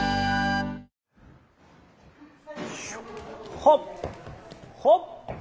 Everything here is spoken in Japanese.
はっ、ほっ！